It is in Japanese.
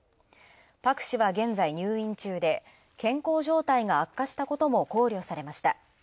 パク氏は現在、入院中で健康状態が悪化したことも考慮されました。